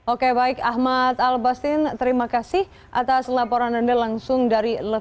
oke baik ahmad al bastin terima kasih atas laporan anda langsung dari lokal